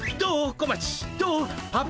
小町。